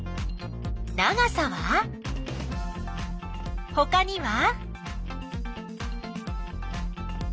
長さは？ほかには？